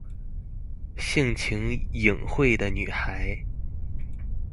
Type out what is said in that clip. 性情穎慧的女孩